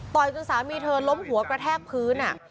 จนสามีเธอล้มหัวกระแทกพื้น